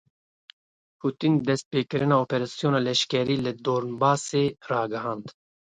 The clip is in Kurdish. Putin destpêkirina operasyona leşkerî li Donbasê ragihand.